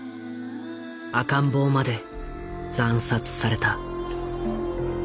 赤ん坊まで惨殺された。